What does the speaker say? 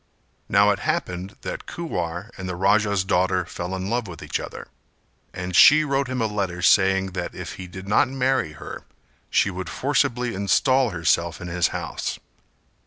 Now it happened that Kuwar and the Raja's daughter fell in love with each other and she wrote him a letter saying that if he did not marry her she would forcibly install herself in his house.